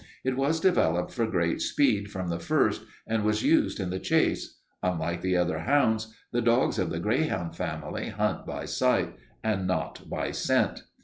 It was developed for great speed from the first and was used in the chase. Unlike the other hounds, the dogs of the greyhound family hunt by sight and not by scent.